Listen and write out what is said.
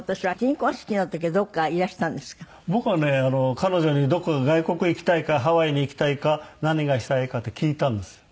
彼女にどこ外国行きたいかハワイに行きたいか何がしたいかって聞いたんです。